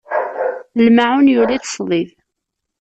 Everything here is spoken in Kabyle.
Lmaɛun yuli-t ṣdid.